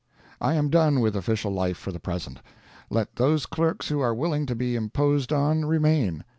I am done with official life for the present. Let those clerks who are willing to be imposed on remain.